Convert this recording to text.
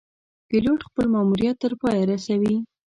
پیلوټ خپل ماموریت تر پایه رسوي.